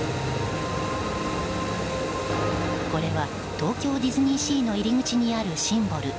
これは東京ディズニーシーの入り口にあるシンボル